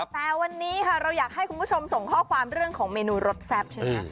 แต่วันนี้ค่ะเราอยากให้คุณผู้ชมส่งข้อความเรื่องของเมนูรสแซ่บใช่ไหม